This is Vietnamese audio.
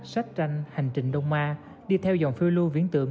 sách tranh hành trình đông ma đi theo dòng phiêu lưu viễn tượng